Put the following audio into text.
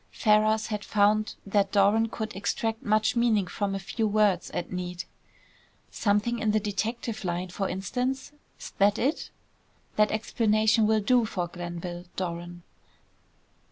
Ferrars had found that Doran could extract much meaning from a few words, at need. "Something in the detective line, for instance? 'S that it?" "That explanation will do for Glenville, Doran."